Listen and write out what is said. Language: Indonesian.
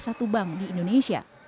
satu bank di indonesia